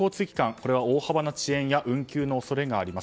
これは大幅な遅延や運休の恐れがあります。